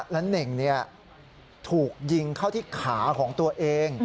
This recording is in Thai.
และเน่งถูกยิงเข้าที่ขาของตัวเอง